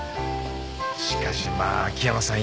しかしまあ秋山さん